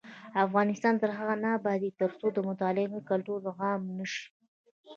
افغانستان تر هغو نه ابادیږي، ترڅو د مطالعې کلتور عام نشي.